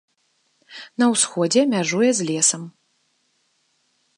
На ўсходзе мяжуе з лесам.